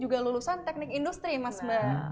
juga lulusan teknik industri mas mbak